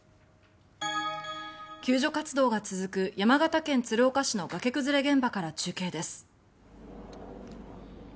救助活動が続く山形県鶴岡市の崖崩れ現場から中継です。